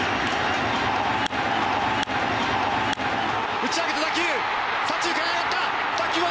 打ち上げた打球左中間へ上がった！